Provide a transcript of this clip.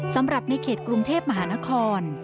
สำหรับในเขตกรุงเทพมหานคร